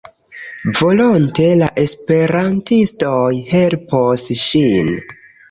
Volonte la esperantistoj helpos ŝin.